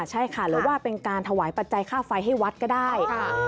ใช่ค่ะหรือว่าเป็นการถวายปัจจัยค่าไฟให้วัดก็ได้